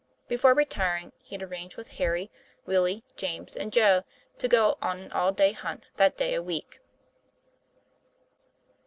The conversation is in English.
Before retiring, he had arranged with Harry, Willie, James, and Joe to go on an all day hunt that day a week.